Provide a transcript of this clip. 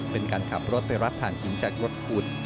เป็นการขับรถไปรับฐานหินจากรถขุด